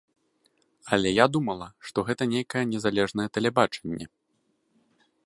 Але я думала, што гэта нейкае незалежнае тэлебачанне.